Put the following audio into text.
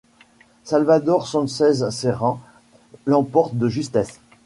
Salvador Sanchez Cerén l'emporte de justesse.